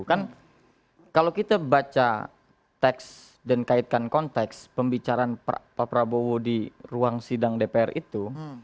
kan kalau kita baca teks dan kaitkan konteks pembicaraan pak prabowo di ruang sidang dpr itu